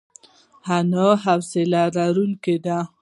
انا د حوصله لرونکې ده